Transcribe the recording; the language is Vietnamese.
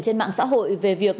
trên mạng xã hội về việc